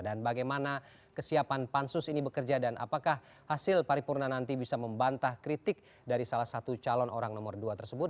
dan bagaimana kesiapan pansus ini bekerja dan apakah hasil paripurna nanti bisa membantah kritik dari salah satu calon orang nomor dua tersebut